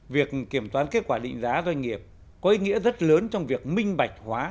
việc kiểm toán kết quả định giá doanh nghiệp có ý nghĩa rất lớn trong việc minh bạch hóa